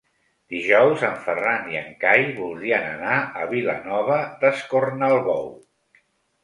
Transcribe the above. Dijous en Ferran i en Cai voldrien anar a Vilanova d'Escornalbou.